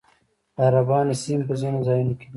د عربانو سیمې په ځینو ځایونو کې دي